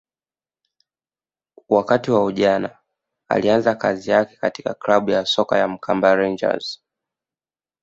wakati wa ujana alianza kazi yake katika klabu ya soka ya Mkamba rangers